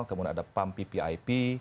kemudian ada pampipip